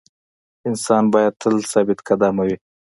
انسان باید تل ثابت قدمه وي.